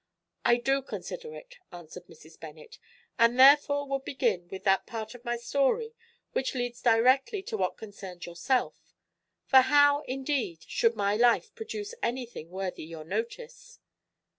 "I do consider it," answered Mrs. Bennet; "and therefore would begin with that part of my story which leads directly to what concerns yourself; for how, indeed, should my life produce anything worthy your notice?"